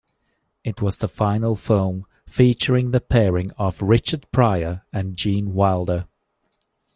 It was the final film featuring the pairing of Richard Pryor and Gene Wilder.